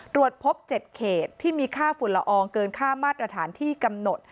ตรวจพบ๗เขตที่มีค่าฝุ่นละอองเกินค่ามาตรฐานที่กำหนด